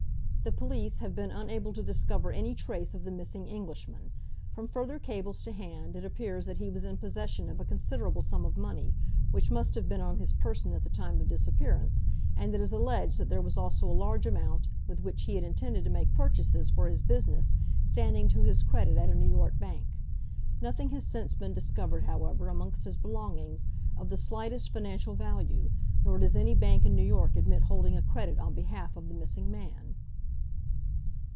The police have been unable to discover any trace of the missing Englishman. From further cables to hand, it appears that he was in possession of a considerable sum of money, which must have been on his person at the time of disappearance, and it is alleged that there was also a large amount, with which he had intended to make purchases for his business, standing to his credit at a New York bank. Nothing has since been discovered, however, amongst his belongings, of the slightest financial value, nor does any bank in New York admit holding a credit on behalf of the missing man.